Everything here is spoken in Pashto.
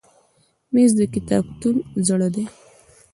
مېز د کتابتون زړه دی.